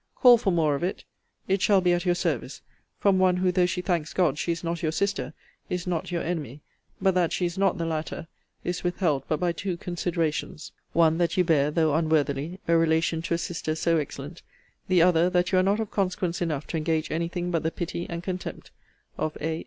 Call for more of it; it shall be at your service: from one, who, though she thanks God she is not your sister, is not your enemy: but that she is not the latter, is withheld but by two considerations; one that you bear, though unworthily, a relation to a sister so excellent; the other, that you are not of consequence enough to engage any thing but the pity and contempt of A.